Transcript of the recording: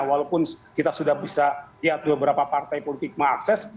walaupun kita sudah bisa lihat beberapa partai politik mengakses